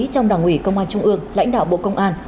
trong đảng ủy công an trung ương lãnh đạo bộ công an